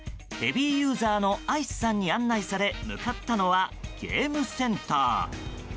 ヘビーユーザーのアイスさんに案内され向かったのはゲームセンター。